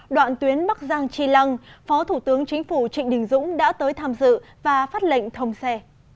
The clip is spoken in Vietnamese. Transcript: đoạn tuyến bắc giang chi lăng phó thủ tướng chính phủ trịnh đình dũng đã tới tham dự và phát lệnh thông xe